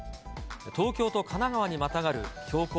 東京と神奈川にまたがる標高